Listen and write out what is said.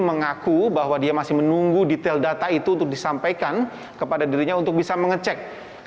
mengaku bahwa dia masih menunggu detail data itu untuk disampaikan kepada dirinya untuk bisa mengecek